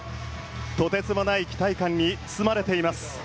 とてつもない期待感に包まれています。